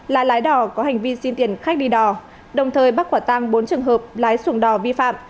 là lái đò có hành vi xin tiền khách đi đò đồng thời bắt quả tăng bốn trường hợp lái xuồng đò vi phạm